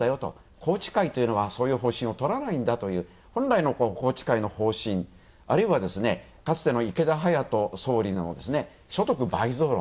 宏池会というのはそういう方針をとらないんだという、本来の宏池会の方針、あるいはかつての池田勇人総理の所得倍増論。